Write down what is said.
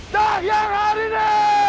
dah yang hari ini